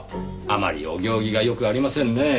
あまりお行儀がよくありませんねぇ。